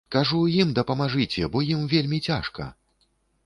Кажу, ім дапамажыце, бо ім вельмі цяжка.